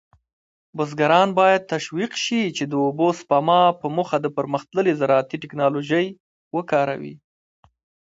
بزګران باید تشویق شي چې د اوبو سپما په موخه پرمختللې زراعتي تکنالوژي وکاروي.